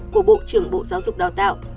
của bộ trưởng bộ giáo dục đào tạo